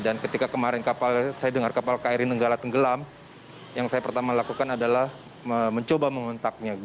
ketika kemarin kapal saya dengar kapal kri nenggala tenggelam yang saya pertama lakukan adalah mencoba mengontaknya